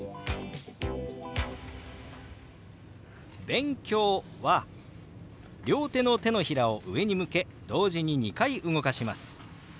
「勉強」は両手の手のひらを上に向け同時に２回動かします。